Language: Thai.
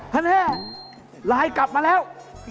หลายกลับมาแล้ว